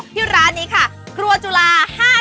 ที่ร้านนี้ค่ะครัวจุฬา๕๐